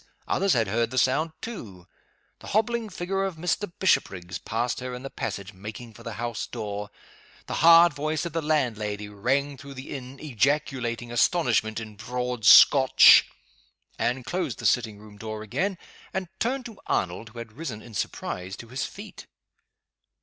others had heard the sound too. The hobbling figure of Mr. Bishopriggs passed her in the passage, making for the house door. The hard voice of the landlady rang through the inn, ejaculating astonishment in broad Scotch. Anne closed the sitting room door again, and turned to Arnold who had risen, in surprise, to his feet.